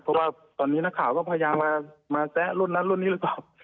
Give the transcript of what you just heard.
เพราะว่าตอนนี้นักข่าวก็พยายามมาแซะรุ่นนั้นรุ่นนี้หรือเปล่า